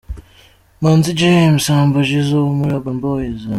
Manzi James: Humble Jizzo wo muri Urban Boyz.